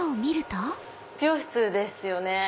美容室ですよね。